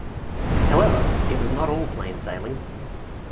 However, it was not all plain sailing.